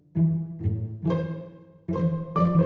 pindah dalem ya